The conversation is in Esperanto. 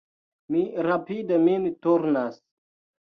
Mi rapide min turnas.